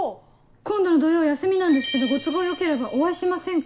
「今度の土曜休みなんですけどご都合よければお会いしませんか？」